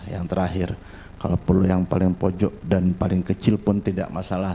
yang terakhir kalau perlu yang paling pojok dan paling kecil pun tidak masalah